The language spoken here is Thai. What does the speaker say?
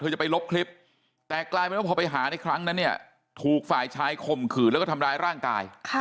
จะไปลบคลิปแต่กลายเป็นว่าพอไปหาในครั้งนั้นเนี่ยถูกฝ่ายชายข่มขืนแล้วก็ทำร้ายร่างกาย